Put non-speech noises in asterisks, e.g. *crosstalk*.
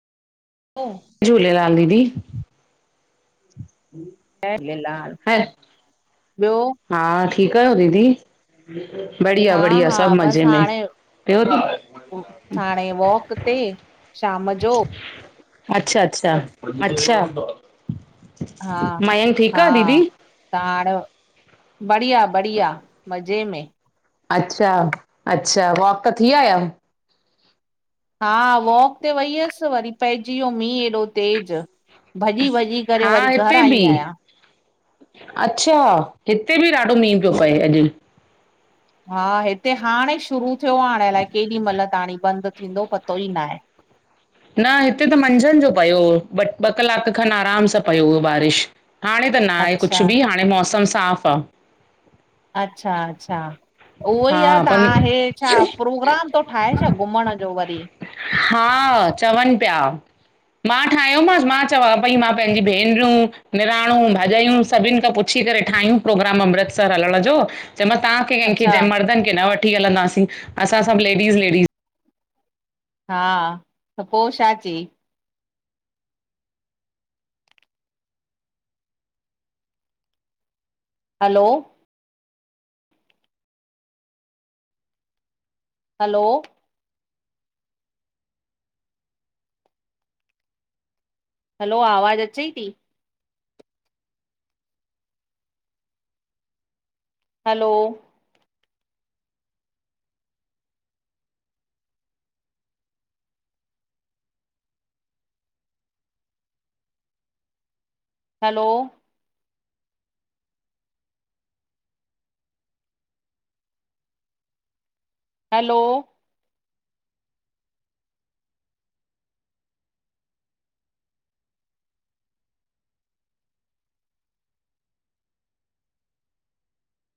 पो! जय झूलेलाल दीदी। *inaudible* जय झूलेलाल ह ॿयो। हा ठीक आहयो दीदी। बढ़िया- हा बढ़िया हा सब मज़े बसि में हाणे ॿयो! हाणे वॉक ते शाम जो। अच्छा -अच्छा, अच्छा मयंक ठीक आ दीदी! ताण बढ़िया- बढ़िया मज़े में। अच्छा -अच्छा वॉक ता थी आयाव। हा वॉक ते वई हुअसि वरी पंहिजी वियो मीं तेज, भॼी भॼी करे हा वरी घर हिते आई बि आहियां। अच्छा हिते बि ॾाढो मींहुं पियो पए अॼु। हा हिते हाणे शुरू थियो आहे हाणे अलाए केॾी महिल त ताणी बंदि थींदो पतो ई न आहे? न हिते त मंझंन जो पियो ॿ ॿ कलाक खनि आराम सां पियो हुयो बारिश हाणे त न आहे अच्छा कुझु बि हाणे मौसम साफ़ आ। अच्छा-अच्छा उहोई हा आहे पर त्हां हे छा प्रोग्राम थो ठाहे छा घुमण जो वरी हा चवनि पिया मां ठाहियोमासि मां चवां पई मां पंहिंजी भेनरियूं, निणानूं, भाॼायूं सभिनि खां पुच्छी करे ठाहियूं प्रोग्राम अमृतसर हलण जो, चय मास तां कहिं ख अच्छा मर्दनि खे न वठी हलंदासीं असां सभु लेडीस- लेडीस हा त पो छा चई? हलो हलो हलो आवाज़ु अचई थी? Hello hello hello